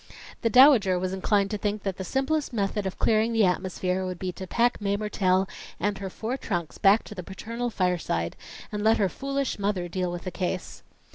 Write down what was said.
The Dowager was inclined to think that the simplest method of clearing the atmosphere would be to pack Mae Mertelle and her four trunks back to the paternal fireside, and let her foolish mother deal with the case.